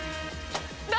何？